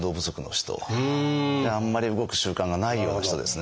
あんまり動く習慣がないような人ですね。